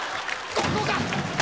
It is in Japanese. ここか？